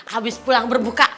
habis pulang berbuka